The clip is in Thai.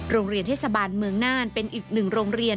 โรงเรียนเทศบาลเมืองน่านเป็นอีกหนึ่งโรงเรียน